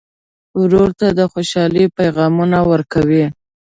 ورور ته د خوشحالۍ پیغامونه ورکوې.